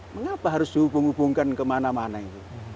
mengapa harus dihubung hubungkan kemana mana itu